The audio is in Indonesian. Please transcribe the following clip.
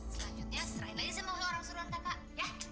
selanjutnya serahin aja semua orang suruhan kakak ya